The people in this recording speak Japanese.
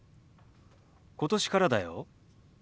今年からだよ。